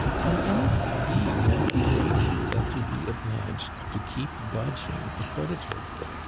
Can anything be more degrading than to be obliged to keep dodging a cred itor?